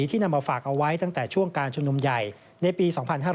นำมาฝากเอาไว้ตั้งแต่ช่วงการชุมนุมใหญ่ในปี๒๕๕๙